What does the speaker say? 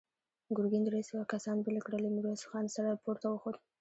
ګرګين درې سوه کسان بېل کړل، له ميرويس خان سره پورته وخوت.